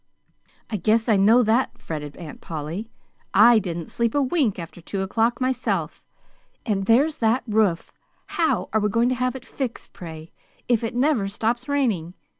"I guess I know that," fretted Aunt Polly. "I didn't sleep a wink after two o'clock myself. And there's that roof! How are we going to have it fixed, pray, if it never stops raining?